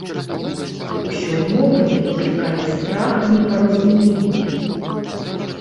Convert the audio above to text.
Усё новае выклікае страх і непаразуменне.